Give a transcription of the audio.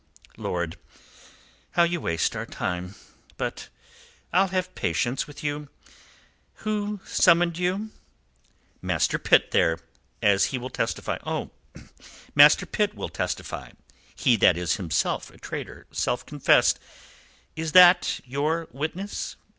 "Lord! How you waste our time. But I'll have patience with you. Who summoned you?" "Master Pitt there, as he will testify." "Oh! Master Pitt will testify he that is himself a traitor self confessed. Is that your witness?"